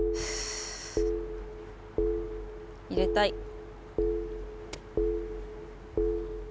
入れたい。